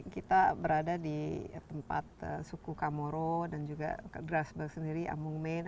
kita berada di tempat suku kamoro dan juga grassberg sendiri amung main